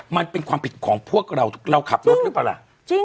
มันเป็นความผิดของพวกเราเราขับรถหรือเปล่าล่ะ